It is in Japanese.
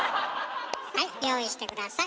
はい用意して下さい。